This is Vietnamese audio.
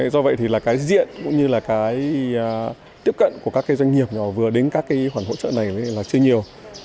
do vậy diện cũng như tiếp cận của các doanh nghiệp nhỏ và vừa đến các hỗ trợ này chưa nhiều